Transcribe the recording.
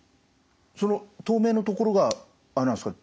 その透明のところがあれなんですか。